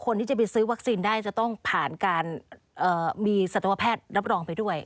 คนที่จะไปซื้อวัคซีนได้จะต้องผ่านการมีสัตวแพทย์รับรองไปด้วย